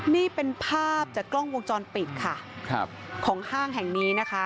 นี่เป็นภาพจากกล้องวงจรปิดค่ะครับของห้างแห่งนี้นะคะ